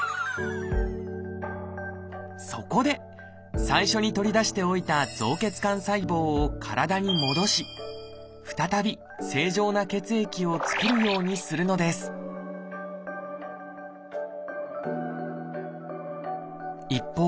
そこで最初にとり出しておいた造血幹細胞を体に戻し再び正常な血液を造るようにするのです一方